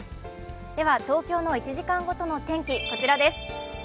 では東京の１時間ごとの天気、こちらです。